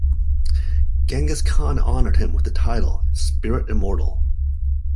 Genghis Khan honoured him with the title Spirit Immortal.